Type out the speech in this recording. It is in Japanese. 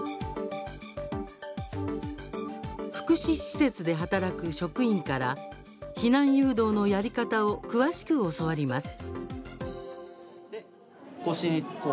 福祉施設で働く職員から避難誘導のやり方を詳しく教わります。